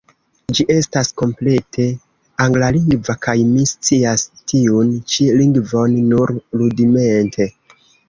Ĝi estas komplete anglalingva – kaj mi scias tiun ĉi lingvon nur rudimente.